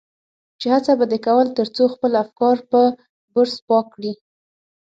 چې هڅه به دې کول تر څو خپل افکار په برس پاک کړي.